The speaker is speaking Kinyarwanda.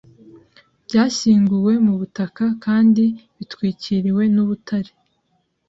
byashyinguwe mubutaka kandi bitwikiriwe nubutare